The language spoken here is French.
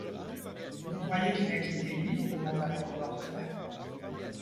Vous croyez qu’il a quitté l’île demanda le reporter